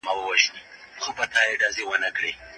رحیم غمزده